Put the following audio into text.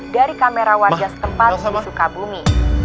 dari kamera warga setempat di sukabumi